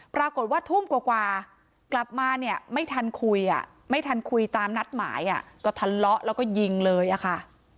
พบว่าทุ่มกว่ากลับมาเนี่ยไม่ทันคุยอ่ะไม่ทันคุยตามนัดหมายก็ทะเลาะแล้วก็ยิงเลยอะค่ะ